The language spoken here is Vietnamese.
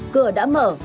cửa đã mở